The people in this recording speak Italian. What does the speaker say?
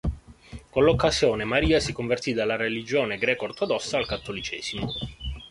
Con l'occasione Maria si convertì dalla religione greco-ortodossa al cattolicesimo.